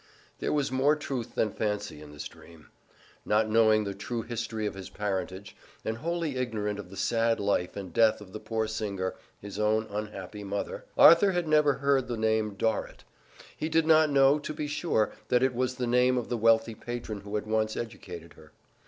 There was more truth than fancy in this dream. Not knowing the true history of his parentage, and wholly ignorant of the sad life and death of the poor singer, his own unhappy mother, Arthur had never heard the name Dorrit. He did not know, to be sure, that it was the name of the wealthy patron who had once educated her.